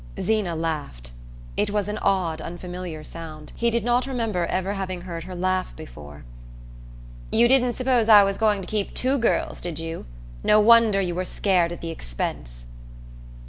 Zeena laughed. It was an odd unfamiliar sound he did not remember ever having heard her laugh before. "You didn't suppose I was going to keep two girls, did you? No wonder you were scared at the expense!"